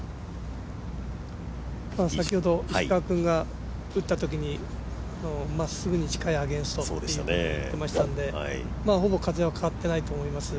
先ほど石川君が打ったときにまっすぐに近いアゲンストって言っていましたんでほぼ風は変わっていないと思います。